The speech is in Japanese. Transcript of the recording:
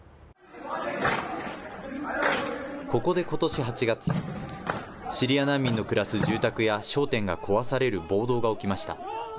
ここでことし８月、シリア難民の暮らす住宅や商店が壊される暴動が起きました。